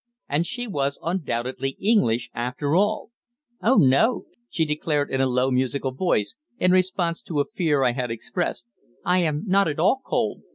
And she was undoubtedly English, after all! "Oh no," she declared in a low, musical voice, in response to a fear I had expressed, "I am not at all cold.